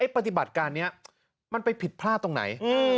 ปฏิบัติการนี้มันไปผิดพลาดตรงไหน